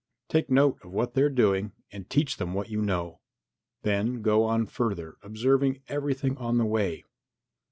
Take note of what they are doing and teach them what you know, then go on further, observing everything on the way.